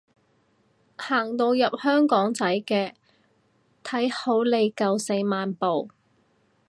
行到入香港仔嘅，睇好你夠四萬步